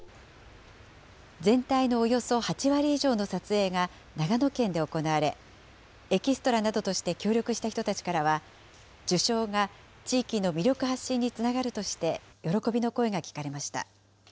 全体のおよそ８割以上の撮影が長野県で行われ、エキストラなどとして協力した人たちからは、受賞が地域の魅力発信につながるとして、喜びの声が聞かれました。